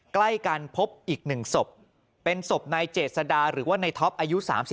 ใกล้กันพบอีก๑ศพเป็นศพนายเจษดาหรือว่าในท็อปอายุ๓๒